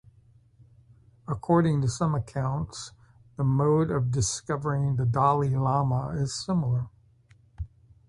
According to some accounts, the mode of discovering the Dalai Lama is similar.